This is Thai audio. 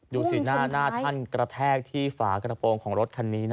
ดูสิหน้าท่านกระแทกที่ฝากระโปรงของรถคันนี้